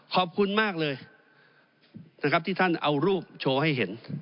ขอบคุณมากเลยท่านเอารูปโชว์ให้เห็น